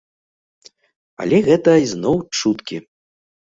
Але гэта ізноў чуткі.